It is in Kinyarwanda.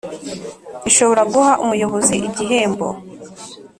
ishobora guha umuyobozi igihembo